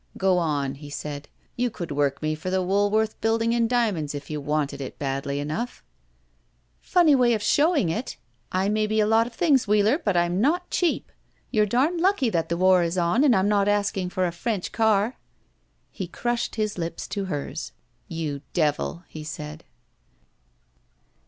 "Go on," he said. "You could work me for the Woolworth Building in diamonds if you wanted it badly enough." "Funny way of showing it! I may be a lot of things, Wheeler, but I'm not cheap. You're dam lucky that the war is on and I'm not asking for a French car." He crushed his lips to hers. "You devil!" he said.